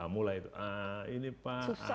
mulai ini pak